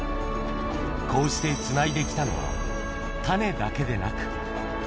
こうしてつないできたのは、種だけでなく。